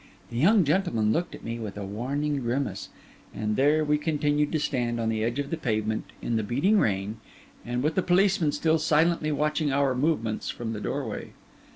The young gentleman looked at me with a warning grimace, and there we continued to stand, on the edge of the pavement, in the beating rain, and with the policeman still silently watching our movements from the doorway.